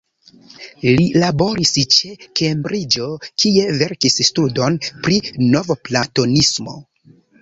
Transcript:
Li laboris ĉe Kembriĝo, kie verkis studon pri Novplatonismo.